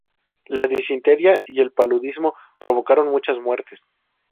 La disentería y el paludismo provocaron muchas muertes.